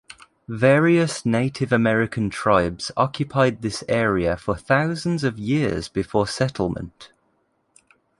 Various Native American tribes occupied this area for thousands of years before settlement.